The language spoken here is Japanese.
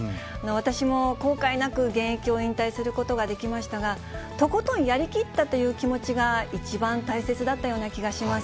私も後悔なく現役を引退することができましたが、とことんやりきったという気持ちが一番大切だったような気がします。